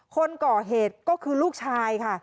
คนก่อเหตุก็คือลูกชายค่ะ